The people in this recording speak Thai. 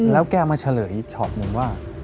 แล้วแกมาเฉลยอีกช็อตหนึ่งว่า